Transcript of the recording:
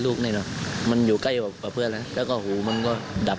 พอเราวิ่งลงมาทุกทีได้สังเกตซ้ำด้านเขาอีกมั้ย